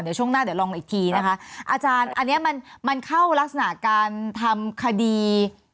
เดี๋ยวช่วงหน้าเดี๋ยวลองอีกทีนะคะอาจารย์อันนี้มันมันเข้ารักษณะการทำคดี